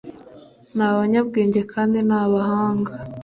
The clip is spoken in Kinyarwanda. ni abanyabwenge kandi ni abahanga